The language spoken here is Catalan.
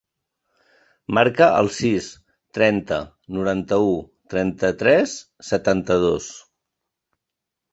Marca el sis, trenta, noranta-u, trenta-tres, setanta-dos.